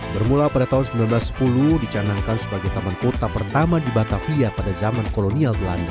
bermula pada tahun seribu sembilan ratus sepuluh dicanangkan sebagai taman kota pertama di batavia pada zaman kolonial belanda